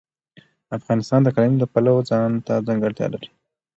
افغانستان د اقلیم د پلوه ځانته ځانګړتیا لري.